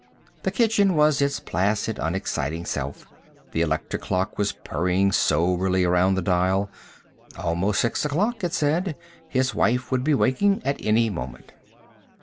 The kitchen was its placid, unexciting self. The electric clock was purring soberly around the dial. Almost six o'clock, it said. His wife would be waking at any moment.